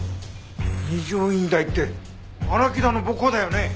二条院大って荒木田の母校だよね？